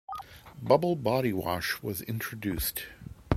Bubble Body Wash was introduced.